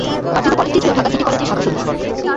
কার্যত কলেজটি ছিল কলকাতা সিটি কলেজের শাখাস্বরূপ।